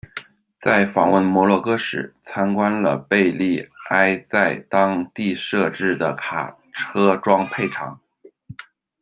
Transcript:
在访问摩洛哥时，参观了贝利埃在当地设置的卡车装配厂。